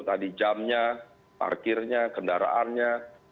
tadi jamnya parkirnya kendaraannya